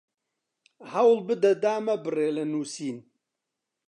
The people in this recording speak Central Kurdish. هەوڵ بدە دامەبڕێ لە نووسین